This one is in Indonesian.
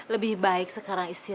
lebih baik sekarang istrinya